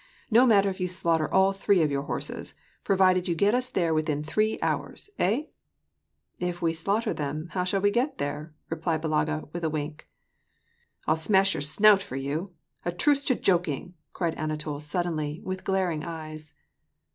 No matter if you slaughter all thre^ of your horses, provided you get us there within three hours. Hey ?"" If we slaughter them, how shall we get there ?" replied Balaga with a wink. " I'll smash your snout for you ! A truce to joking," cried Anatol suddenly, with glaring eyes.